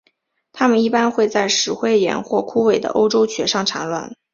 它们一般会在石灰岩或枯萎的欧洲蕨上产卵。